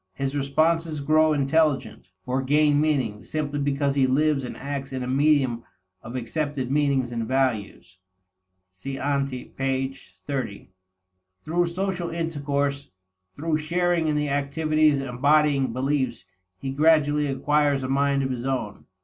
His responses grow intelligent, or gain meaning, simply because he lives and acts in a medium of accepted meanings and values. (See ante, p. 30.) Through social intercourse, through sharing in the activities embodying beliefs, he gradually acquires a mind of his own.